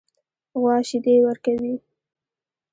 غوا شیدې ورکوي.